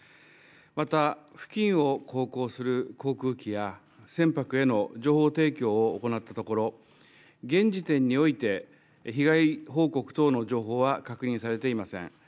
また、付近を航行する航空機や船舶への情報提供を行ったところ現時点において被害報告等の情報は確認されていません。